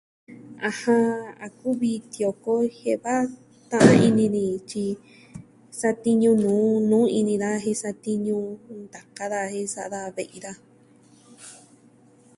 ɨjɨn, A kuvi tioko jie'e va ta'an ini ni tyi satiñu nuu, nuu ini daja jen satiñu ntaka daja jen sa'a daja ve'i daja.